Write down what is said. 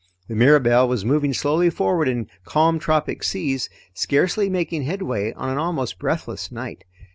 The Mirabelle was moving slowly forward in calm tropic seas, scarcely making headway on an almost breathless night.